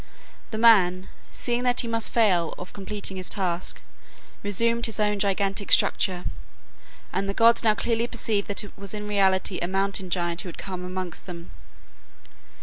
The man, seeing that he must fail of completing his task, resumed his own gigantic stature, and the gods now clearly perceived that it was in reality a mountain giant who had come amongst them.